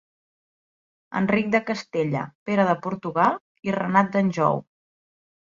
Enric de Castella, Pere de Portugal i Renat d'Anjou.